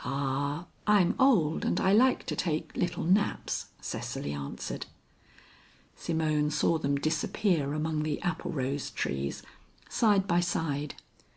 "Ah! I'm old and I like to take little naps," Cecily answered. Simone saw them disappear among the applerose trees side by side.